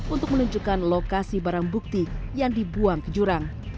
untuk menunjukkan lokasi barang bukti yang dibuang ke jurang